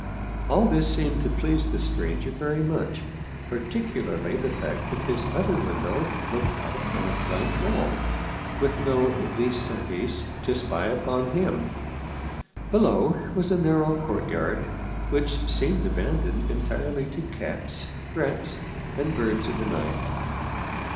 All this seemed to please the stranger very much, particu larly the fact that his other window looked out upon a blank wall, with no vis a vis to spy upon him. Below was a narrow courtyard, which seemed abandoned entirely to cats, rats, and birds of the night.